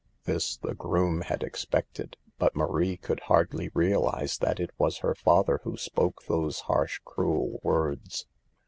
This the groom had expected, but Marie could hardly realize that it was her father who spoke those harsh, cruel words.